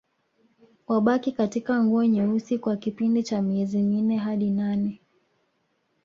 Wabaki katika nguo nyeusi kwa kipindi cha miezi minne hadi nane